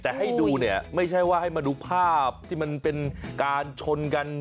แต่ให้ดูเนี่ยไม่ใช่ว่าให้มาดูภาพที่มันเป็นการชนกัน